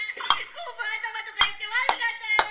昆布頭とか言って悪かったよ！